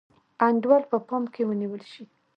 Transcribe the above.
انډول په پام کې ونیول شي.